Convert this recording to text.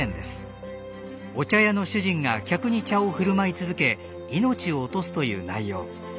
お茶屋の主人が客に茶を振る舞い続け命を落とすという内容。